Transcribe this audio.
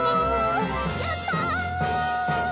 やった！